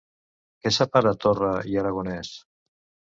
Què separa Torra i Aragonès?